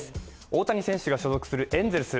大谷選手が所属するエンゼルス